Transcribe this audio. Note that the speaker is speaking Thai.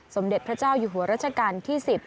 สมเด็จพระเจ้าอยู่หัวรัชกาลที่๑๐